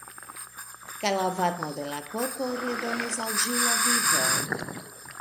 Kaj la varmo de la korpo redonis al ĝi la vivon.